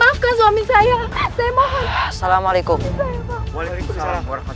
waalaikumsalam warahmatullahi wabarakatuh